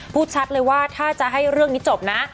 พูดชัดเลยว่าถ้าจะให้เรื่องนี้จบนะ